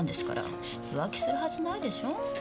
浮気するはずないでしょ。